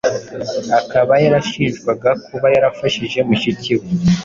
akaba yarashinjwaga kuba yarafashije mushiki we